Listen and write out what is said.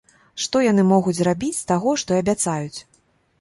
Што яны могуць зрабіць з таго, што абяцаюць?